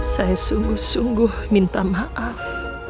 saya sungguh sungguh minta maaf